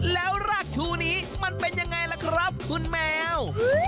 แล้วรากชูนี้มันเป็นยังไงล่ะครับคุณแมว